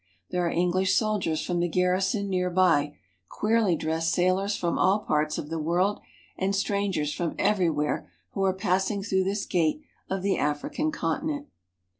There are English soldiers from the garrisons nearby, queerly dressed sailors from all parts of the world, and strangers from everywhere who are passing through this gate of the African continent.